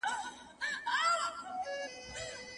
په کلمو د سم پوهاوي دپاره املا معتبره سرچینه ده.